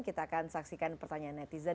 kita akan saksikan pertanyaan netizen